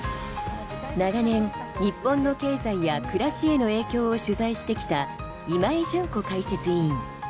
長年、日本の経済や暮らしへの影響を取材してきた今井純子解説委員。